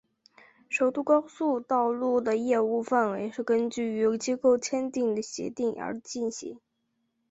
首都高速道路的业务范围是根据与机构签订的协定而进行。